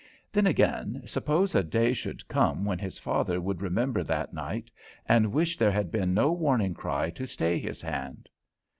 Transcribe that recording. Then, again, suppose a day should come when his father would remember that night, and wish there had been no warning cry to stay his hand?